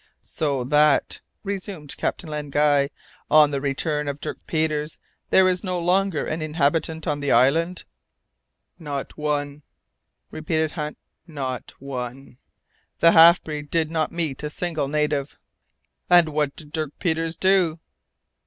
"So that," resumed Captain Len Guy, "on the return of Dirk Peters, there was no longer an inhabitant on the island?" "No one," repeated Hunt, "no one. The half breed did not meet a single native." "And what did Dirk Peters do?"